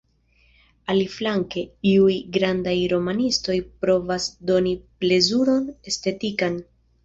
Aliflanke, iuj grandaj romanistoj provas doni plezuron estetikan.